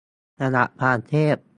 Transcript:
ระดับความเทพ